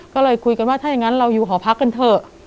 ก็เลยคุยกันว่าถ้าอย่างนั้นเราอยู่หอพักกันเถอะ